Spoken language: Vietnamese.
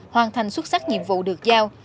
hoàn thành xuất sắc nhiệm vụ được giao